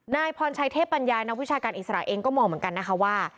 นายพรชัยเทพปัญญานักวิชาการอิสระเองก็มองเหมือนกันนะคะว่า